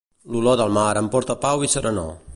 L'olor del mar em porta pau i serenor.